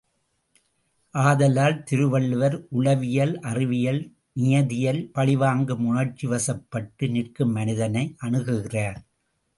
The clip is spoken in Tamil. ஆதலால் திருவள்ளுவர் உளவியல் அறிவியல் நியதியில் பழிவாங்கும் உணர்ச்சிவசப்பட்டு நிற்கும் மனிதனை அணுகுகிறார்.